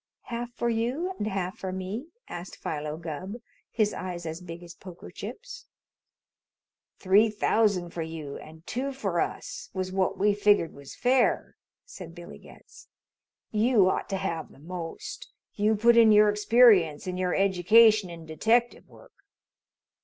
"Half for you and half for me?" asked Philo Gubb, his eyes as big as poker chips. "Three thousand for you and two for us, was what we figured was fair," said Billy Getz. "You ought to have the most. You put in your experience and your education in detective work."